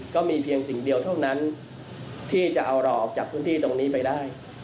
ก็มีเพียงสิ่งเดียวเท่านั้นที่จะเอาเราออกจากพื้นที่ตรงนี้ไปได้